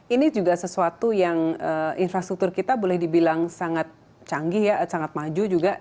ini juga sesuatu yang infrastruktur kita boleh dibilang sangat canggih ya sangat maju juga